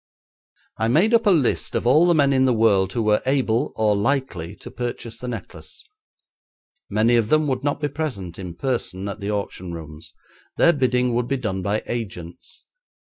I made up a list of all the men in the world who were able or likely to purchase the necklace. Many of them would not be present in person at the auction rooms; their bidding would be done by agents.